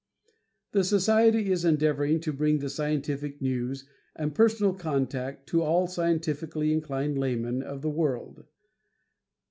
This society is endeavoring to bring the scientific news and personal contact to all scientifically inclined laymen of the world.